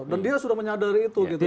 dan dia sudah menyadari itu